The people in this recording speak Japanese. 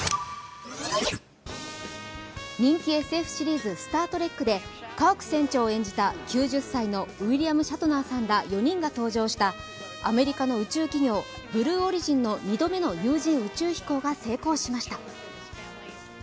人気ＳＦシリーズ「スター・トレック」でカーク船長を演じた９０歳のウィリアム・シャトナーさんら４人が搭乗したアメリカの宇宙企業、ブルーオリジンの２度目の有人宇宙飛行が成功しました。